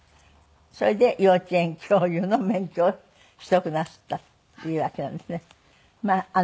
それで幼稚園教諭の免許を取得なすったというわけなんですね。